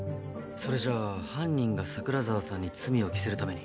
それじゃあ犯人が桜沢さんに罪を着せるために。